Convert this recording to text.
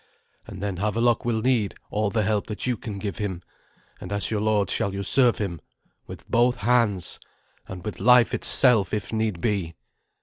And then Havelok will need all the help that you can give him; and as your lord shall you serve him, with both hands, and with life itself if need be.